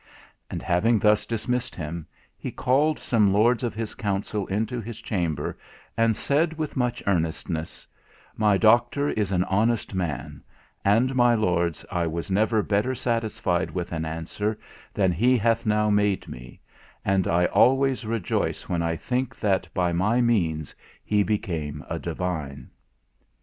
And, having thus dismissed him, he called some Lords of his Council into his chamber, and said with much earnestness, "My Doctor is an honest man; and, my Lords, I was never better satisfied with an answer than he hath now made me; and I always rejoice when I think that by my means he became a Divine."